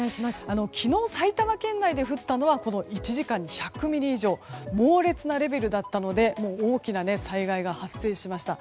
昨日、埼玉県内で降ったのは１時間雨量で１００ミリ以上猛烈なレベルだったので大きな災害が発生しました。